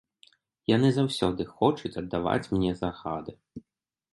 Яны заўсёды хочуць аддаваць мне загады.